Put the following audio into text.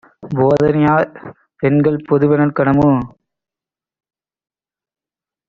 போதனையாற் பெண்கள் பொதுவெனல் கனமோ?